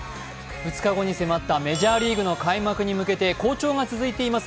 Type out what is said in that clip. ２日後に迫ったメジャーリーグの開幕に向けて好調が続いています